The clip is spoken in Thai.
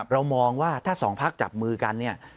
เรามองว่าถ้าสองภาคจับมือกัน